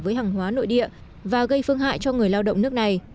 với hàng hóa nội địa và gây phương hại cho người lao động nước này